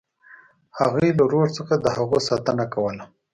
هغوی له رودز څخه د هغو ساتنه کوله.